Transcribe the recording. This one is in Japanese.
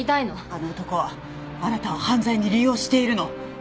あの男はあなたを犯罪に利用しているの！